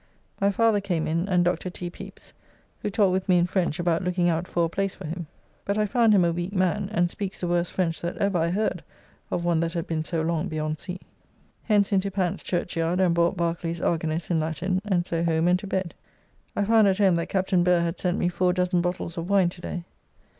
My father came in, and Dr. T. Pepys, who talked with me in French about looking out for a place for him. But I found him a weak man, and speaks the worst French that ever I heard of one that had been so long beyond sea. Hence into Pant's Churchyard and bought Barkley's Argenis in Latin, and so home and to bed. I found at home that Captain Burr had sent me 4 dozen bottles of wine today.